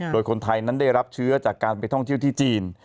โดยคนไทยนั้นได้รับเชื้อจากการไปท่องเที่ยวที่จีน